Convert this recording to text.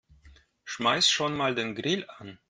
Schmeiß schon mal den Grill an.